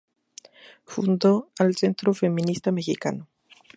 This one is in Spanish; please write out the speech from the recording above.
Fundó el Centro Feminista Mexicano.